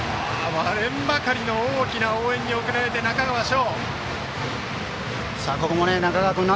割れんばかりの大きな応援に送られた代打、中川翔。